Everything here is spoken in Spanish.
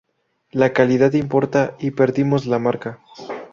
La calidad importa y perdimos la marca.